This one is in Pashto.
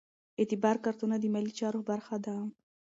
اعتبار کارتونه د مالي چارو برخه ده.